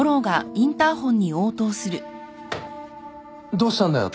・どうしたんだよ？